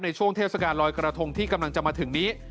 ช่วงเทศกาลลอยกระทงที่กำลังจะมาถึงนี้